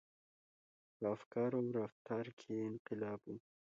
• په افکارو او رفتار کې انقلاب و.